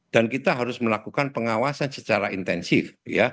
dan kita harus melakukan pengawasan secara intensif